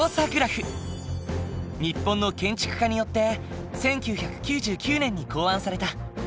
日本の建築家によって１９９９年に考案された。